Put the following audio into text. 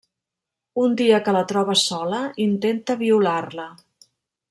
Un dia que la troba sola intenta violar-la.